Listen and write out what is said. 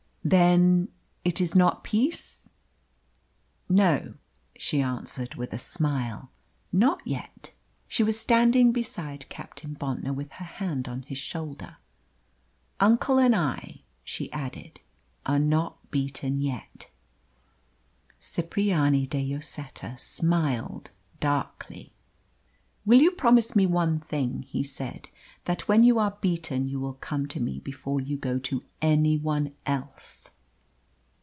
"Then it is not peace?" "No," she answered, with a smile; "not yet." She was standing beside Captain Bontnor, with her hand on his shoulder. "Uncle and I," she added, "are not beaten yet." Cipriani de Lloseta smiled darkly. "Will you promise me one thing," he said; "that when you are beaten you will come to me before you go to any one else?"